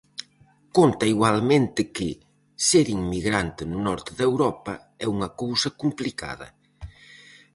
Conta igualmente que «ser inmigrante no norte de Europa é unha cousa complicada».